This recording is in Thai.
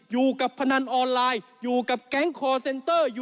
พนันออนไลน์อยู่กับแก๊งคอร์เซนเตอร์